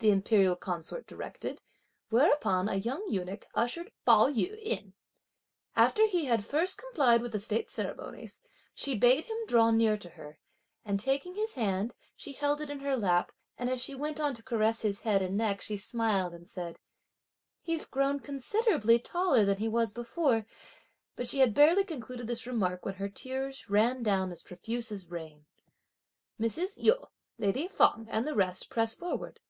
the imperial consort directed; whereupon a young eunuch ushered Pao yü in. After he had first complied with the state ceremonies, she bade him draw near to her, and taking his hand, she held it in her lap, and, as she went on to caress his head and neck, she smiled and said: "He's grown considerably taller than he was before;" but she had barely concluded this remark, when her tears ran down as profuse as rain. Mrs. Yu, lady Feng, and the rest pressed forward.